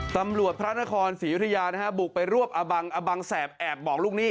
พระนครศรียุธยานะฮะบุกไปรวบอบังอบังแสบแอบบอกลูกหนี้